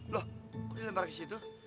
lo kuril yang barang si itu